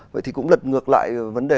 vậy thì cũng lật ngược lại vấn đề